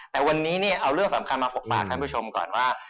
แต่วันนี้เนี่ยเอาเรื่องสำคัญมาพบปากท่านผู้ชมก่อนว่า